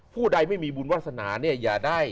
ผู้ใดไม่มีบุญวาสนาเนี่ย